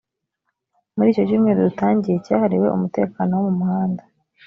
muri icyo cyumweru dutangiye cyahariwe umutekano wo mu muhanda